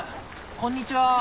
こんにちは。